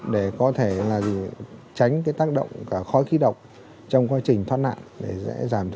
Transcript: để có thể tránh tác động khói khí độc trong quá trình thoát nạn để giảm thiểu rất nhiều các nguy cơ gây thiệt hại về người